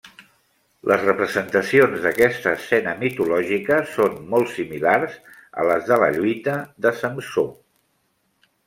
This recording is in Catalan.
Les representacions d'aquesta escena mitològica són molt similars a les de la lluita de Samsó.